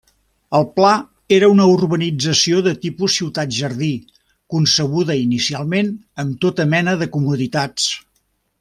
El Pla era una urbanització de tipus ciutat-jardí, concebuda inicialment amb tota mena de comoditats.